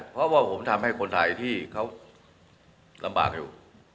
เพราะว่าผมทำให้คนไทยที่เขาลำบากอยู่